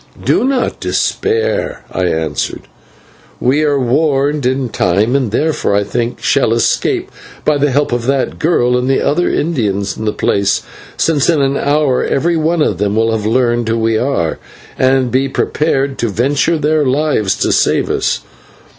"Do not despair," I answered. "We were warned in time and therefore, I think, shall escape by the help of that girl and the other Indians in the place, since in an hour every one of them will have learned who we are, and be prepared to venture their lives to save us.